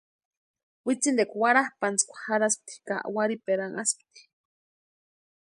Witsintekwa warhapʼantsïkwa jarhaspti ka warhiperanhaspti.